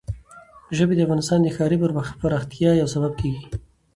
ژبې د افغانستان د ښاري پراختیا یو سبب کېږي.